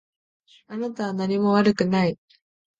あなたは何も悪くない。